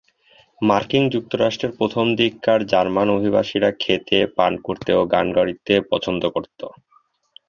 মার্কিন যুক্তরাষ্ট্রের প্রথম দিককার জার্মান অভিবাসীরা খেতে, পান করতে ও গান গাইতে পছন্দ করত।